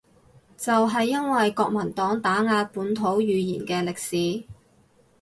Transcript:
就係因為國民黨打壓本土語言嘅歷史